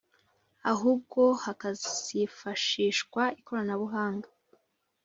ahubwo hakazifashishwa ikoranabuhanga